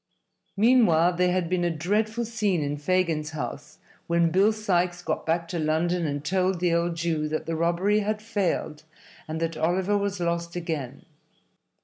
Meantime there had been a dreadful scene in Fagin's house when Bill Sikes got back to London and told the old Jew that the robbery had failed and that Oliver was lost again.